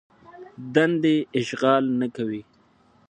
دندې اشغال نه کوي.